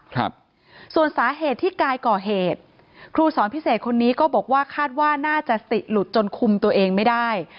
ครับส่วนสาเหตุที่กายก่อเหตุครูสอนพิเศษคนนี้ก็บอกว่าคาดว่าน่าจะสติหลุดจนคุมตัวเองไม่ได้